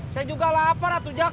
saya juga lapar atau jak